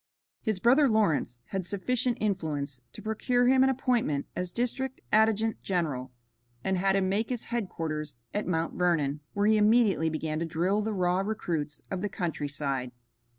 His brother Lawrence had sufficient influence to procure him an appointment as District Adjutant General, and had him make his headquarters at Mount Vernon, where he immediately began to drill the raw recruits of the countryside.